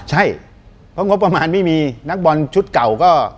ใช่เพราะงบประมาณไม่มีนักบอลชุดเก่าก็